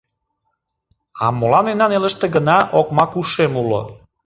А молан мемнан элыште гына Окмак Ушем уло?